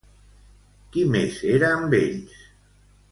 Qui més era amb ells?